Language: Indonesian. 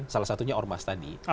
salah satunya ormas tadi